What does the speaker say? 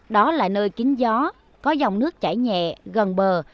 đó là nơi kính gió có dòng nước chảy nhẹ gần bờ